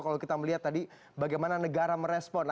kalau kita melihat tadi bagaimana negara merespon